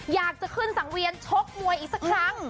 อยากจะขึ้นสังเวียนชกมวยอีกสักครั้ง